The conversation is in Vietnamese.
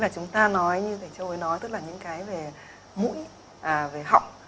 chúng ta nói như thầy châu ấy nói tức là những cái về mũi về họng